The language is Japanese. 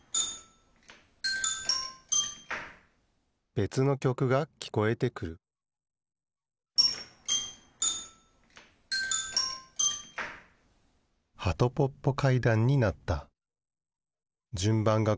べつのきょくがきこえてくるはとぽっぽ階段になった。